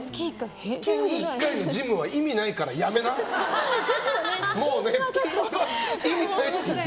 月１回のジムは意味ないからやめな。ですよね。